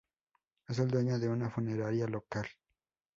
Es el dueño de una funeraria local.